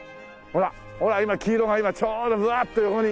ほら今黄色がちょうどブワッて横に。